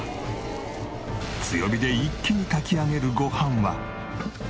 強火で一気に炊き上げるご飯は。